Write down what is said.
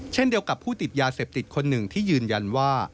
เช่นเดียวกับผู้ติดยาเสพติดคนหนึ่งที่ยืนยันว่า